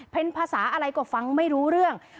เป็นภาษาอะไรก็ฟังไม่รู้เรื่อง